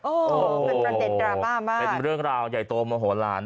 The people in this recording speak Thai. โอ้โหเป็นประเด็นดราม่ามากเป็นเรื่องราวใหญ่โตโมโหลาน